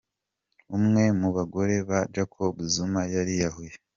Umwe mu bagore ba Jacob Zuma yariyahuye